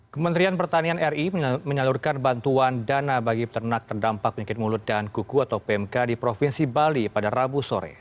kementerian pertanian ri menyalurkan bantuan dana bagi peternak terdampak penyakit mulut dan kuku atau pmk di provinsi bali pada rabu sore